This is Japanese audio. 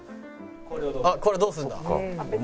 「あっこれどうするんだ？」